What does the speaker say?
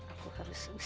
aku harus usir dia